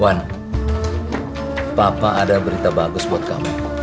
wan papa ada berita bagus buat kamu